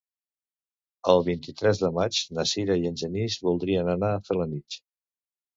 El vint-i-tres de maig na Sira i en Genís voldrien anar a Felanitx.